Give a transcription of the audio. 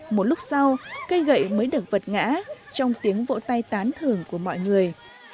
một lúc sau cây gậy mới được vật ngã trong tiếng vỗ tay tán thường của mọi người